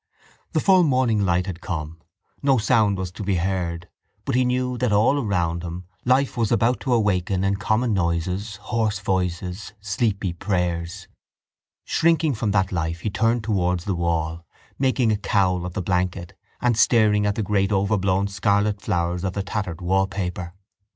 The full morning light had come. No sound was to be heard; but he knew that all around him life was about to awaken in common noises, hoarse voices, sleepy prayers. Shrinking from that life he turned towards the wall, making a cowl of the blanket and staring at the great overblown scarlet flowers of the tattered wallpaper.